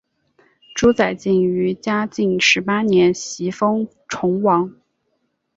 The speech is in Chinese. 朱载境于嘉靖十八年袭封崇王。